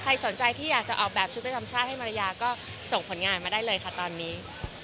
สนใจที่อยากจะออกแบบชุดประจำชาติให้มารยาก็ส่งผลงานมาได้เลยค่ะตอนนี้